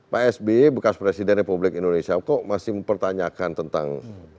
pak sby bekas presiden republik indonesia kok masih mempertanyakan tentang